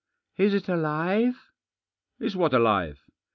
"Is it alive?" " Is what alive